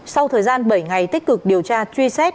sau thời gian bảy ngày tích cực điều tra truy xét